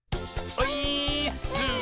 オイーッス！